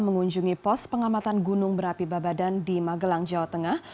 mengunjungi pos pengamatan gunung berapi babadan di magelang jawa tengah